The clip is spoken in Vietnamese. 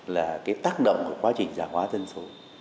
là cái tác động của quá trình giả hóa dân số